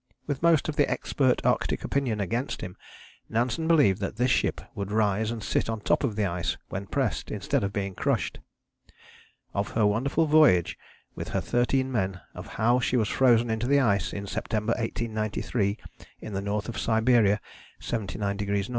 With most of the expert Arctic opinion against him, Nansen believed that this ship would rise and sit on the top of the ice when pressed, instead of being crushed. Of her wonderful voyage with her thirteen men, of how she was frozen into the ice in September 1893 in the north of Siberia (79° N.)